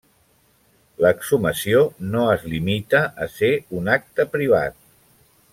L'exhumació no es limita a ser un acte privat.